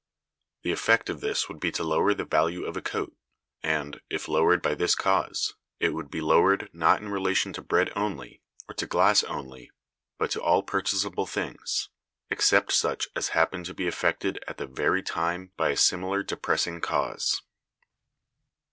The effect of this would be to lower the value of a coat, and, if lowered by this cause, it would be lowered not in relation to bread only or to glass only, but to all purchasable things, except such as happened to be affected at the very time by a similar depressing cause.